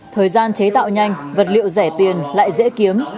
thời gian chế tạo nhanh vật liệu rẻ tiền lại dễ kiếm